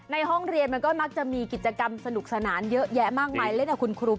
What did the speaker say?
ห้องเรียนมันก็มักจะมีกิจกรรมสนุกสนานเยอะแยะมากมายเล่นกับคุณครู